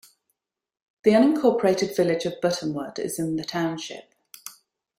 The unincorporated village of Buttonwood is in the township.